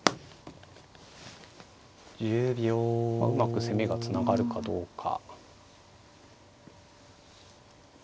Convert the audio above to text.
うまく攻めがつながるかどうか。